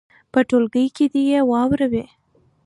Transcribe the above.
په ټولګي کې دې یې واوروي.